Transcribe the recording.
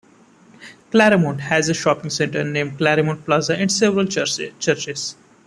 Claremont has a shopping centre named Claremont Plaza, and several churches.